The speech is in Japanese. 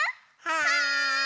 はい！